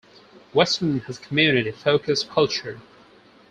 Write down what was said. Western has a community focused culture.